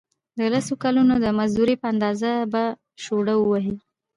د لسو کلونو د مزدورۍ په اندازه به شوړه ووهي.